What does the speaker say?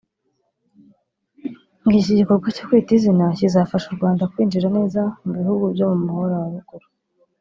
ngo iki gikorwa cyo Kwita Izina kizafasha u Rwanda kwinjira neza mu bihugu byo mu Muhora wa Ruguru